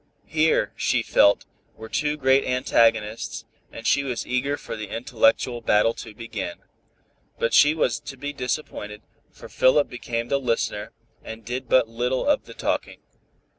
Here, she felt, were two great antagonists, and she was eager for the intellectual battle to begin. But she was to be disappointed, for Philip became the listener, and did but little of the talking.